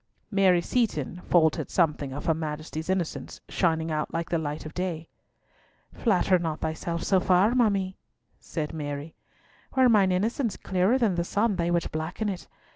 Mary Seaton faltered something of her Majesty's innocence shining out like the light of day. "Flatter not thyself so far, ma mie," said Mary. "Were mine innocence clearer than the sun they would blacken it.